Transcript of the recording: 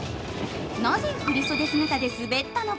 なぜ振り袖姿で滑ったのか。